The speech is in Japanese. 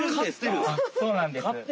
あっそうなんです。